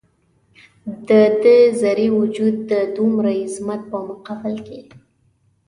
د ده ذرې وجود د دومره عظمت په مقابل کې.